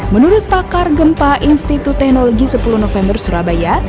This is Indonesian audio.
menurut pakar gempa institut teknologi sepuluh november surabaya